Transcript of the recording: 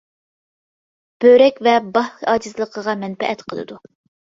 بۆرەك ۋە باھ ئاجىزلىقىغا مەنپەئەت قىلىدۇ.